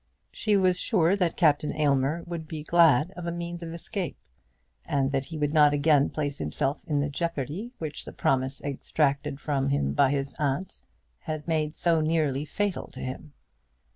She was sure that Captain Aylmer would be glad of a means of escape, and that he would not again place himself in the jeopardy which the promise exacted from him by his aunt had made so nearly fatal to him.